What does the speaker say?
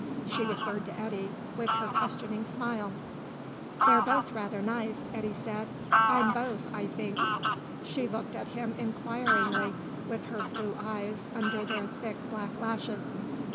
She referred to Eddy, with her questioning smile. "They're both rather nice," Eddy said. "I'm both, I think." Sally looked at him inquiringly with her blue eyes under their thick black lashes.